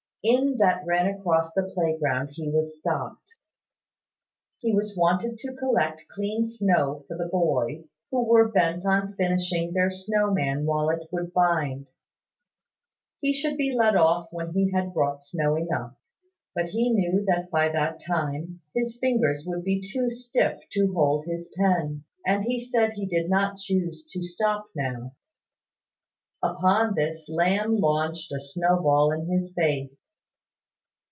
In that ran across the playground he was stopped. He was wanted to collect clean snow for the boys who were bent on finishing their snow man while it would bind. He should be let off when he had brought snow enough. But he knew that by that time his fingers would be too stiff to hold his pen; and he said he did not choose to stop now. Upon this Lamb launched a snowball in his face.